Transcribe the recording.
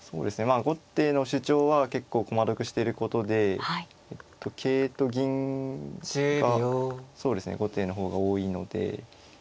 まあ後手の主張は結構駒得してることで桂と銀がそうですね後手の方が多いので。